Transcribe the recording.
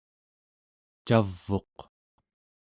cav'uq